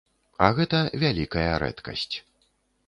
А гэта вялікая рэдкасць.